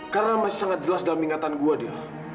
karena masih sangat jelas dalam ingatan gue dia